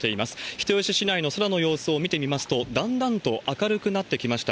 人吉市内の空の様子を見てみますと、だんだんと明るくなってきました。